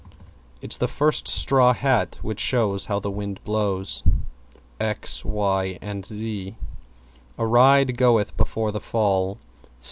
It's the first straw hat which shows how the wind blows. X Y Z A Ride goeth before a Fall.